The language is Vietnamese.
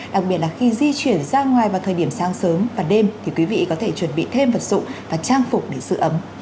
đặc biệt là khi di chuyển ra ngoài vào thời điểm sáng sớm và đêm thì quý vị có thể chuẩn bị thêm vật dụng và trang phục để sự ấm